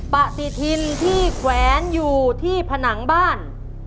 ปฏิทินที่แขวนอยู่ที่ผนังบ้าน